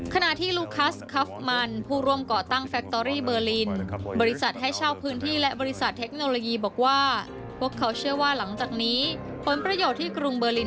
ขณะที่ลูคัสคาฟมันผู้ร่วมเกาะตั้งแฟคโตรี่เบอร์ลิน